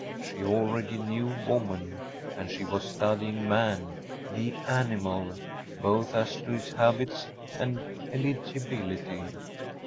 She already knew woman; and she was studying man, the animal, both as to his habits and eligibility.